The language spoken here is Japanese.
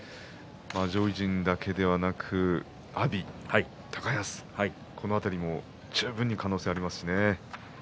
上位陣だけではなく阿炎、高安この辺りも十分に可能性がありますしね。